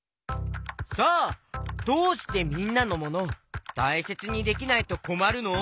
さあどうしてみんなのモノたいせつにできないとこまるの？